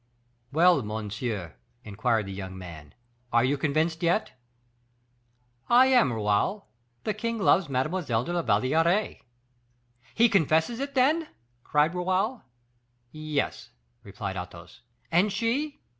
"Well, monsieur," inquired the young man, "are you convinced yet?" "I am, Raoul; the king loves Mademoiselle de la Valliere." "He confesses it, then?" cried Raoul. "Yes," replied Athos. "And she?"